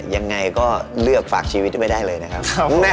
ยังไงก็เลือกฝากชีวิตไว้ได้เลยนะครับ